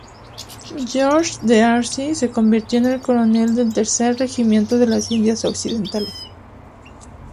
George D'Arcy se convirtió en coronel del tercer Regimiento de las Indias Occidentales.